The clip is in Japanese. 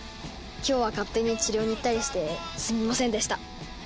今日は勝手に治療に行ったりしてすみませんでした。